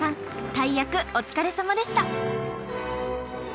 大役お疲れさまでした！